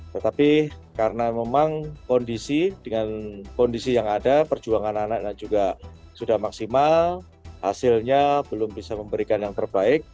tetapi karena memang kondisi dengan kondisi yang ada perjuangan anaknya juga sudah maksimal hasilnya belum bisa memberikan yang terbaik